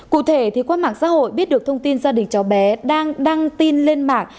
cụ thể qua mạng xã hội biết được thông tin gia đình cho bé đang tin lên mạng